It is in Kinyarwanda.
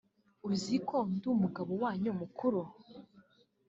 uzi ko ndi umugabo wanyu mukuru